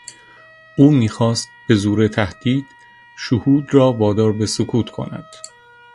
او میخواست به زور تهدید شهود را وادار به سکوت کند.